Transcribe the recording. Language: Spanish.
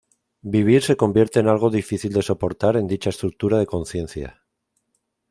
Vivir se convierte en algo difícil de soportar en dicha estructura de conciencia.